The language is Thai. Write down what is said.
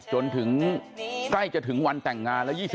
จนถึง